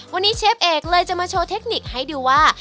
วันนี้เชฟเอกเลยจะมาโชว์เทคนิคให้ดูว่า